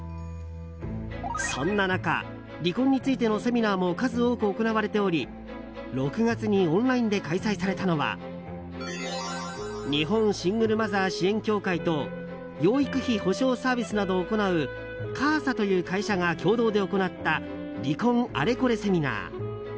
そんな中離婚についてのセミナーも数多く行われており６月にオンラインで開催されたのは日本シングルマザー支援協会と養育費保証サービスなどを行うＣａｓａという会社が共同で行った離婚アレコレセミナー。